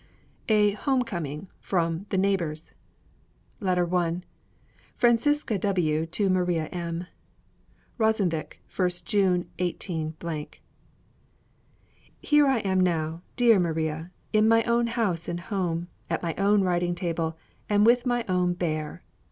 A HOME COMING From 'The Neighbors' LETTER I. FRANCISCA W. TO MARIA M. ROSENVIK, 1st June, 18. Here I am now, dear Maria, in my own house and home, at my own writing table, and with my own Bear.